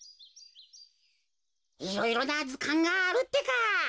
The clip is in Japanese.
いろいろなずかんがあるってか。